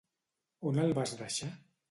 On el vas deixar?